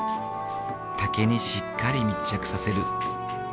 竹にしっかり密着させる。